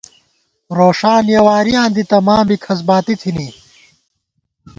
روݭان یَہ وارِیاں دِتہ ماں بی کھسباتی تھنی